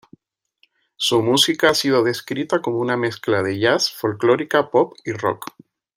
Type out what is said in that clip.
Su música ha sido descrita como una mezcla de jazz, folclórica, pop y rock.